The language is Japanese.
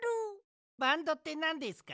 バンドってなんですか？